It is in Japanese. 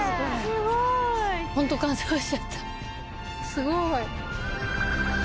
すごい。